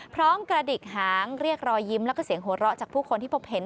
กระดิกหางเรียกรอยยิ้มแล้วก็เสียงหัวเราะจากผู้คนที่พบเห็น